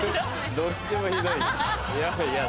どっちもひどいよ。